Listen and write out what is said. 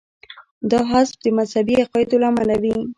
دا حذف د مذهبي عقایدو له امله وي.